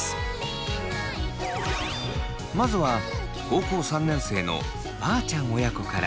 まずは高校３年生のあーちゃん親子から。